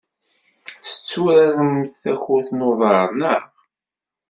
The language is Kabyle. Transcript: Tetturaremt takurt n uḍar, naɣ?